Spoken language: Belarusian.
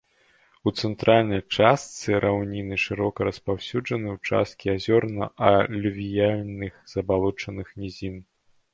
У цэнтральнай частцы раўніны шырока распаўсюджаны ўчасткі азёрна-алювіяльных забалочаных нізін.